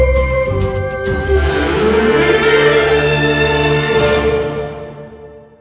aku menikah denganmu